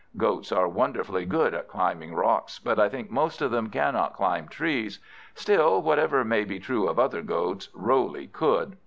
Goats are wonderfully good at climbing rocks, but I think most of them cannot climb trees; still, whatever may be true of other goats, Roley could.